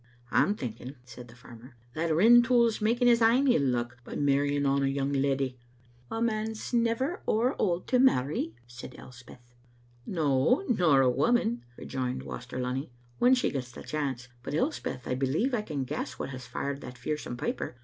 *' "I'm thinking," said the farmer, "that Rintoul's making his ain ill luck by marrying on a young leddy." "A man's never ower auld to marry," said Elspeth. "No, nor a woman," rejoined Waster Lunny, "when she gets the chance. But, Elspeth, I believe I can g^ess what has fired that fearsome piper.